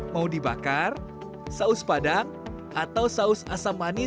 mau dibakar saus padang atau saus asam manis